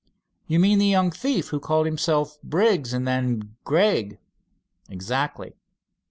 "You mean the young thief who called himself Briggs, and then Gregg?" "Exactly."